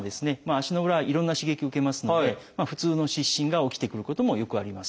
足の裏いろんな刺激受けますので普通の湿疹が起きてくることもよくあります。